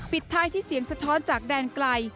ปิดท้ายที่เสียงสะท้อนจากแดนไกล